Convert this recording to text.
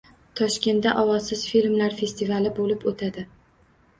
Toshkentda "Ovozsiz filmlar festivali" bo‘lib o‘tadi